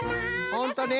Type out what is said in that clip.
ほんとね。